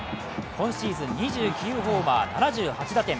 今シーズン２９ホーマー、７８打点。